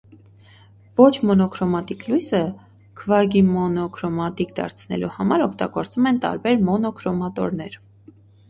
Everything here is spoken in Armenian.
Ոչ մոնոքրոմատիկ լույսը քվագիմոնոքրոմատիկ դարձնելու համար օգտագործում են տարբեր մոնոքրոմատորներ։